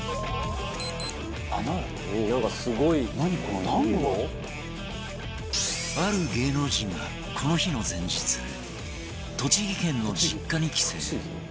「なんかすごい」ある芸能人がこの日の前日栃木県の実家に帰省